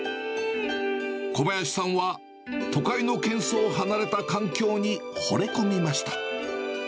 小林さんは、都会のけん騒を離れた環境にほれ込みました。